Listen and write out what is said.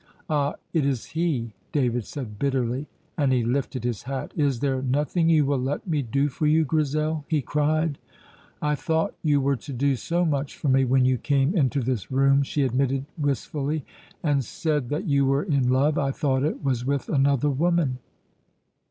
"Ah, it is he," David said bitterly, and he lifted his hat. "Is there nothing you will let me do for you, Grizel?" he cried. "I thought you were to do so much for me when you came into this room," she admitted wistfully, "and said that you were in love. I thought it was with another woman."